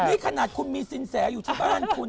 นี่ขนาดคุณมีสินแสอยู่ที่บ้านคุณ